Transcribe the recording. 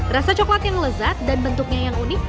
rasa coklat yang lezat dan bentuknya yang unik